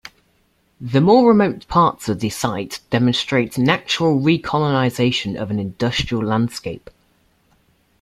The more remote parts of the site demonstrate natural recolonisation of an industrial landscape.